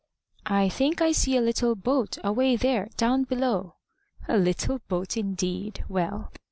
"I think I see a little boat, away there, down below." "A little boat, indeed! Well!